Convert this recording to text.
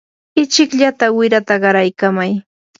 ichikllata wirata qaraykamay.